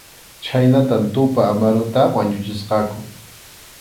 Chhaynatam Tupa Amaruta wañuchisqaku.